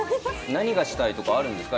何がしたいとかあるんですか？